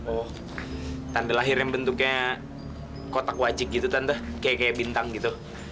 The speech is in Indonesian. oh tante lahir yang bentuknya kotak wajik gitu tante kayak kayak bintang gitu